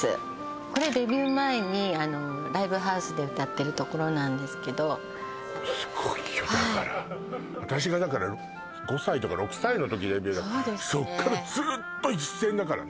これデビュー前にライブハウスで歌ってるところなんですけどすごいよだからはい私がだから５歳とか６歳の時デビューそうですね